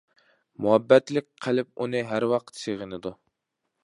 مۇھەببەتلىك قەلب ئۇنى ھەر ۋاقىت سېغىنىدۇ.